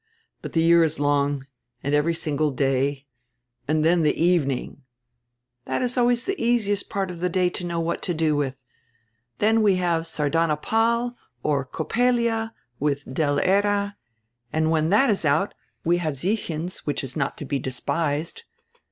But die year is long and every single day — and dien die evening." "That is always die easiest part of die day to know what to do with. Then we have Sardanapal, or Coppelia, widi Del Era, and when that is out we have Siechen's, which is not to be despised.